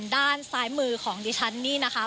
ด้านซ้ายมือของดิฉันนี่นะคะ